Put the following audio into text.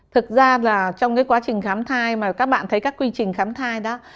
thực ra là trong cái quá trình khám thai mà các bạn thấy các quy trình khám thai đã